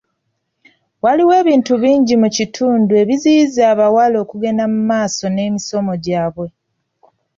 Waliwo ebintu bingi mu kitundu ebiziyiza abawala okugenda mu maaso n'emisomo gyabwe.